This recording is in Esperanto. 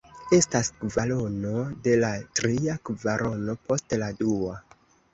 Estas kvarono de la tria kvarono post la dua.